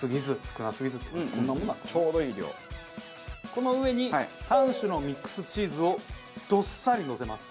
この上に３種のミックスチーズをどっさりのせます。